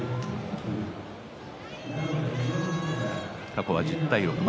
過去は１０対６。